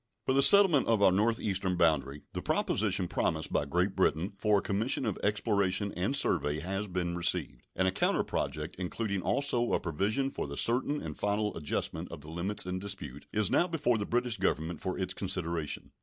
For the settlement of our northeastern boundary the proposition promised by Great Britain for a commission of exploration and survey has been received, and a counter project, including also a provision for the certain and final adjustment of the limits in dispute, is now before the British Government for its consideration.